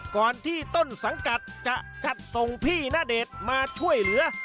ก่อนที่ต้นสังกัดจะจัดส่งพี่ณเดชน์มาช่วยเหลือ